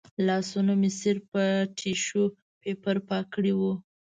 لاسونه مې صرف په ټیشو پیپر پاک کړي و.